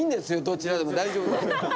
どちらでも大丈夫。